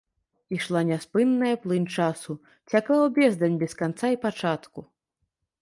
Ішла няспынная плынь часу, цякла ў бездань без канца і пачатку.